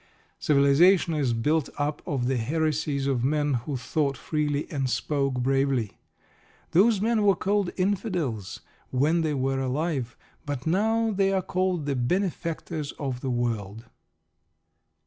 Civilisation is built up of the "heresies" of men who thought freely and spoke bravely. Those men were called "Infidels" when they were alive. But now they are called the benefactors of the world.